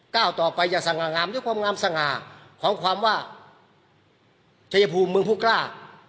ก้าวต่อไปอย่าสง่างามด้วยความงามสง่าของความว่าชัยภูมิมึงผู้กล้า